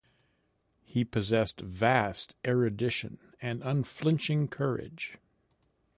He possessed vast erudition and unflinching courage.